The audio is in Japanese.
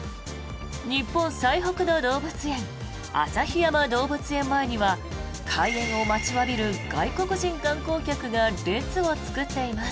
日本最北の動物園旭山動物園前には開園を待ちわびる外国人観光客が列を作っています。